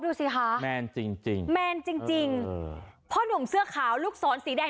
ดูสิคะแมนจริงจริงแมนจริงจริงพ่อหนุ่มเสื้อขาวลูกศรสีแดง